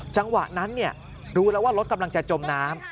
จังหวะนั้นรู้แล้วว่ารถกำลังจะจมน้ำ